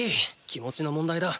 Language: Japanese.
気持ちの問題だ。